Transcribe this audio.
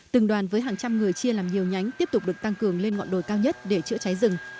từng đoàn với hàng trăm người chia làm nhiều nhánh tiếp tục được tăng cường lên ngọn đồi cao nhất để chữa cháy rừng